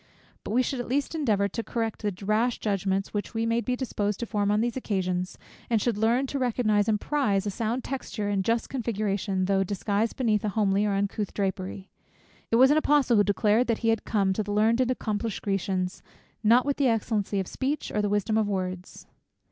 But we should at least endeavour to correct the rash judgments which we may be disposed to form on these occasions, and should learn to recognize and to prize a sound texture and just configuration, though disguised beneath a homely or uncouth drapery. It was an Apostle who declared that he had come (to the learned and accomplished Grecians too) "not with excellency of speech, or the wisdom of words."